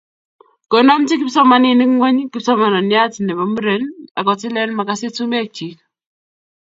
Konamji kipsomaninik ng'ony kipsomaniat ne muren akotilen magasit sumek chik.